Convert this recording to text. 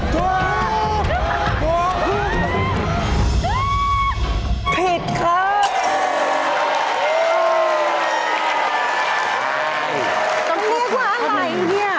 ต้องเรียกว่าอะไรนี่